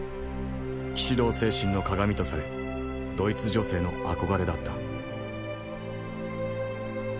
騎士道精神の鑑とされドイツ女性の憧れだった。